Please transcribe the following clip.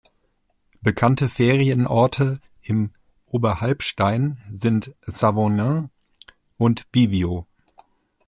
Bekannte Ferienorte im Oberhalbstein sind Savognin und Bivio.